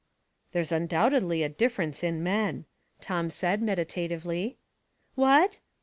" There's undoubtedly a difference in men,'* Tom said, meditatively. "What?"